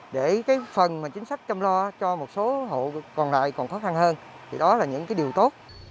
để cái phần mà chính sách chăm lo cho một số hộ còn lại còn khó khăn hơn thì đó là những cái điều tốt